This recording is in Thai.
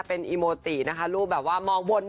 เป็นอิโมติรูปแบบว่ามองบน